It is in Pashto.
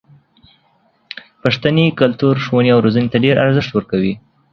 پښتني کلتور ښوونې او روزنې ته ډېر ارزښت ورکوي.